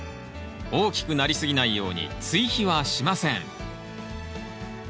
大きくなりすぎないように追肥はしません。